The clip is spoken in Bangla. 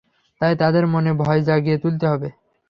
তাই তাদের মনে ভয় জাগিয়ে তুলতে হবে।